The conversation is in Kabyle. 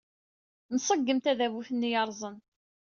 Nṣeggem tadabut-nni yerrẓen.